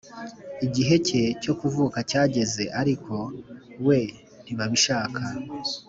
igihe cye cyo kuvuka cyageze, ariko we ntabishaka!